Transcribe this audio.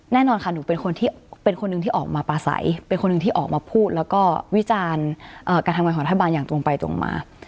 แน่นอนค่ะหนูเป็นคนที่เป็นคนหนึ่งที่ออกมาปลาใสเป็นคนหนึ่งที่ออกมาพูดแล้วก็วิจารณ์การทำงานของรัฐบาลอย่างตรงไปตรงมา